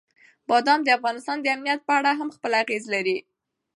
بادام د افغانستان د امنیت په اړه هم خپل اغېز لري.